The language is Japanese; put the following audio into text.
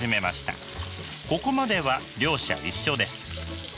ここまでは両者一緒です。